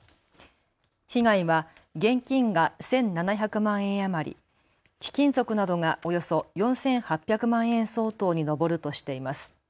被害は現金が１７００万円余り、貴金属などがおよそ４８００万円相当に上るとしています。